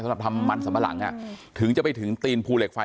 สำหรับทำมันสัมปะหลังถึงจะไปถึงตีนภูเหล็กไฟ